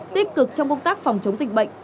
tích cực trong công tác phòng chống dịch bệnh